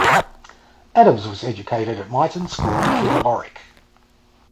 Adams was educated at Myton School in Warwick.